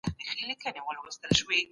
دا د مسلمان دنده ده.